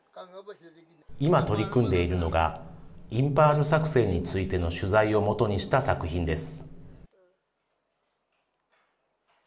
今、取り組んでいるのがインパール作戦についての取材を基にした作品です。